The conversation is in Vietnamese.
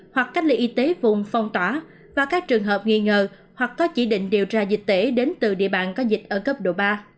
hoặc cách ly y tế vùng phong tỏa và các trường hợp nghi ngờ hoặc có chỉ định điều tra dịch tễ đến từ địa bàn có dịch ở cấp độ ba